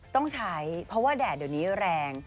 ต้องใช้เพราะว่าแดดเดี๋ยวนี้แรง